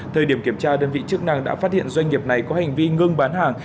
thời điểm kiểm tra đơn vị chức năng đã phát hiện doanh nghiệp này có hành vi ngưng bán hàng